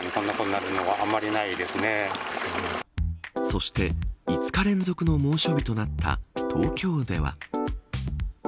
そして、５日連続の猛暑日となった東京では。